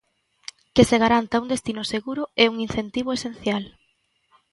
Que se garanta un destino seguro é un incentivo esencial.